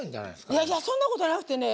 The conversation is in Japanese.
いやいやそんなことなくてね